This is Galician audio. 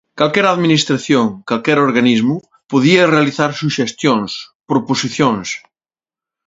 Calquera administración, calquera organismo, podía realizar suxestións, proposicións.